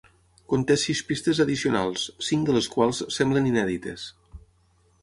Conté sis pistes addicionals, cinc de les quals semblen "inèdites".